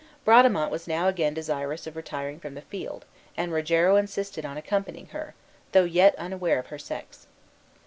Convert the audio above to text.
Bradamante was now again desirous of retiring from the field, and Rogero insisted on accompanying her, though yet unaware of her sex.